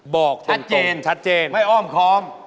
บอกจริงไม่อ้อมคอมชัดเจนชัดเจน